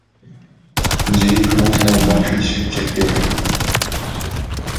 Дзе іх можна ўбачыць цяпер?